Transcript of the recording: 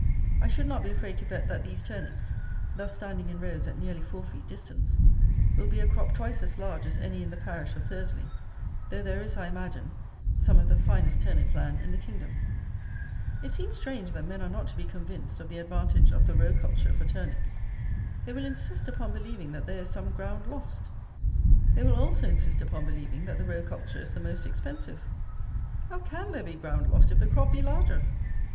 I should not be afraid to bet that these turnips, thus standing in rows at nearly four feet distance, will be a crop twice as large as any in the parish of Thursley, though there is, I imagine, some of the finest turnip land in the kingdom. It seems strange that men are not to be convinced of the advantage of the row culture for turnips. They will insist upon believing that there is some ground lost. They will also insist upon believing that the row culture is the most expensive. How can there be ground lost if the crop be larger?